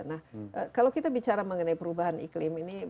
nah kalau kita bicara mengenai perubahan iklim ini